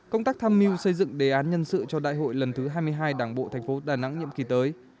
công tác tham mưu xây dựng đề án nhân sự cho đại hội lần thứ hai mươi hai đảng bộ thành phố đà nẵng nhiệm kỳ tới